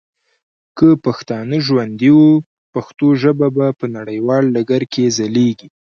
که پښتانه ژوندي وه ، پښتو ژبه به په نړیوال ډګر کي ځلیږي.